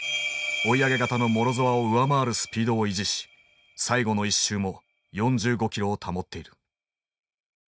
追い上げ型のモロゾワを上回るスピードを維持し最後の１周も４５キロを保っている。